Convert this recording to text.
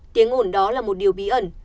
tiếng ổn đó là một điều bí ẩn